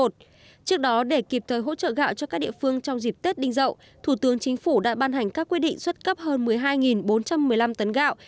trước đó để kịp thời hỗ trợ gạo cho các địa phương trong dịp tết đinh dậu thủ tướng chính phủ đã ban hành các quy định xuất cấp hơn một mươi hai bốn trăm một mươi năm tấn gạo